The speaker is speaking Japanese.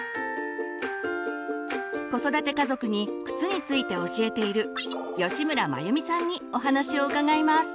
子育て家族に靴について教えている吉村眞由美さんにお話を伺います。